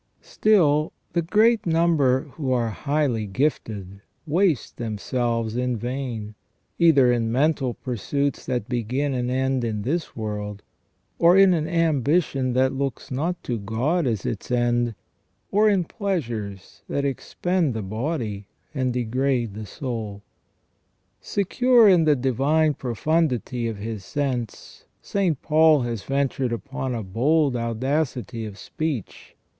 Still, the great number who are highly gifted waste themselves in vain, either in mental pursuits that begin and end in this world, or in an ambition that looks not to God as its end, or in pleasures that expend the body and degrade the soul. Secure in the divine profundity of his sense, St. Paul has ventured upon a bold audacity of speech.